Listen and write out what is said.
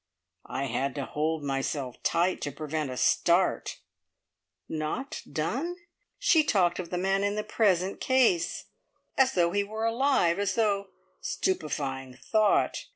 I had to hold myself tight to prevent a start. Not done! She talked of the man in the present case, as though he were alive, as though stupefying thought!